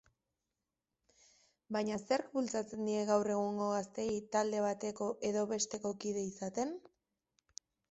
Baina zerk bultzatzen die gaur egungo gazteei talde bateko edo besteko kide izaten?